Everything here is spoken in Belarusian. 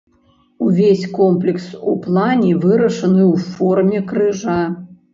Увесь комплекс у плане вырашаны ў форме крыжа.